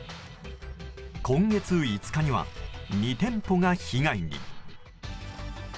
今月５日には２店舗が被害に。